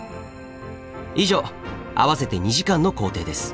以上合わせて２時間の行程です。